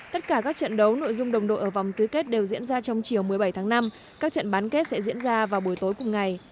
tất cả các trận đấu nội dung đồng đội ở vòng tứ kết đều diễn ra trong chiều một mươi bảy tháng năm các trận bán kết sẽ diễn ra vào buổi tối cùng ngày